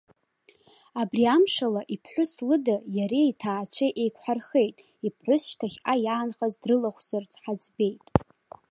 Абри амшала, иԥҳәыс лыда, иареи иҭаацәеи еиқәҳархеит. Иԥҳәыс шьҭахьҟа иаанхаз дрылахәзарц ҳаӡбеит.